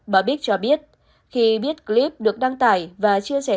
bà bích cho biết khi biết clip được đăng tải và chia sẻ